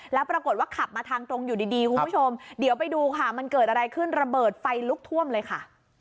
แล้วปรากฏว่าขับมาทางตรงอยู่ดีคุณผู้ชมเดี๋ยวไปดูค่ะมันเกิดอะไรขึ้นระเบิดไฟลุกท่วมเลยค่ะ